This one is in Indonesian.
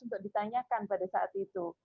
untuk ditanyakan pada saat itu